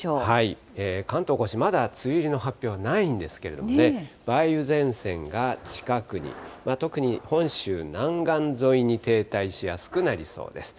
関東甲信、まだ梅雨入りの発表はないんですけれどもね、梅雨前線が近くに、特に本州南岸沿いに停滞しやすくなりそうです。